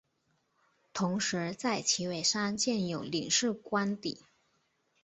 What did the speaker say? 同时在旗尾山建有领事官邸。